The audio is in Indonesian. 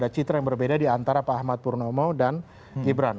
kita yang berbeda di antara pak ahmad purnomo dan gibran